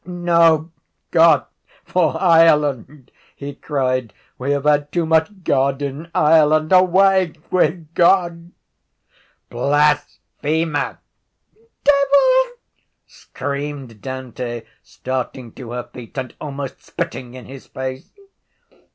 —No God for Ireland! he cried. We have had too much God in Ireland. Away with God! —Blasphemer! Devil! screamed Dante, starting to her feet and almost spitting in his face.